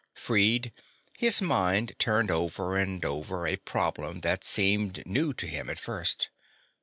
Freed, his mind turned over and over a problem that seemed new to him at first.